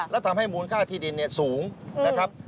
และทำให้มูลค่าที่ดินสูงนะครับ